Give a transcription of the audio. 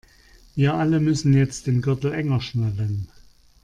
Wir alle müssen jetzt den Gürtel enger schnallen.